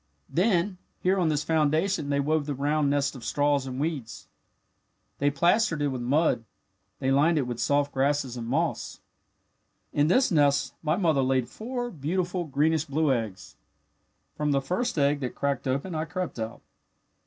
"Then here on this foundation they wove the round nest of straws and weeds. They plastered it with mud. They lined it with soft grasses and moss. "In this nest my mother laid four beautiful greenish blue eggs. From the first egg that cracked open I crept out.